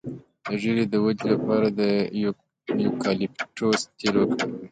د ږیرې د ودې لپاره د یوکالیپټوس تېل وکاروئ